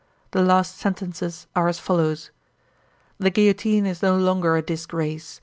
The last sentences are as follows: The guillotine is no longer a disgrace.